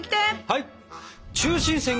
はい！